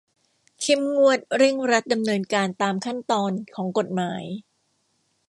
เข้มงวดเร่งรัดดำเนินการตามขั้นตอนของกฎหมาย